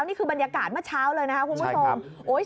นี่คือบรรยากาศเมื่อเช้าเลยนะคะคุณผู้ชม